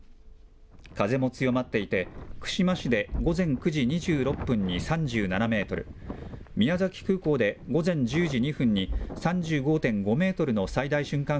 風も強まっていて、串間市で午前９時２６分に３７メートル、宮崎空港で午前１０時２分に３５．５メートルの最大瞬間